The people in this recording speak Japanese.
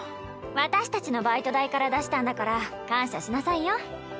私たちのバイト代から出したんだから感謝しなさいよ。